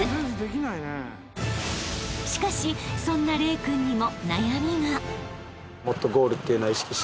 ［しかしそんな玲君にも］